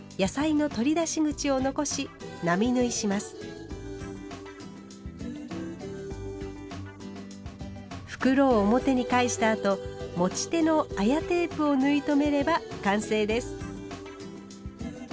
クロスの側面を袋を表に返したあと持ち手の綾テープを縫い留めれば完成です。